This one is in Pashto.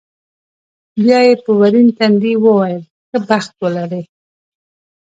بیا یې په ورین تندي وویل، ښه بخت ولرې.